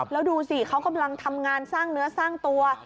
แล้วดูสิเขากำลังทำงานสร้างเนื้อสร้างตัว